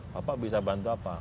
bapak bisa bantu apa